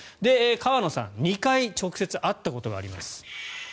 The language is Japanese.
河野さんは２回直接会ったことがあります。